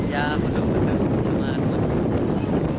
ya belum bener cuman